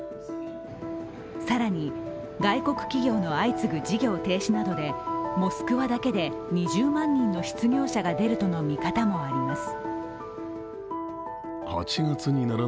更に、外国企業の相次ぐ事業停止などでモスクワだけで、２０万人の失業者が出るとの見方もあります。